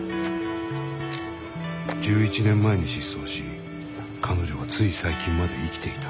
１１年前に失踪し彼女はつい最近まで生きていた。